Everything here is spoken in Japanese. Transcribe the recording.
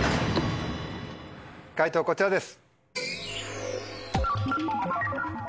解答こちらです。